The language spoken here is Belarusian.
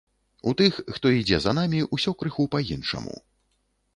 У тых, хто ідзе за намі, усё крыху па-іншаму.